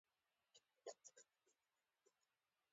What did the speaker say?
آیا کاناډا د بایسکل جوړولو صنعت نلري؟